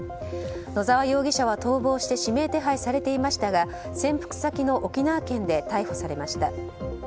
野沢容疑者は逃亡して指名手配されていましたが潜伏先の沖縄県で逮捕されました。